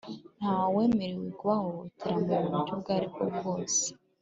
ntawemerewe kubahohotera mu buryo ubwo ari bwo bwose;